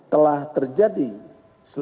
telah terjadi selesai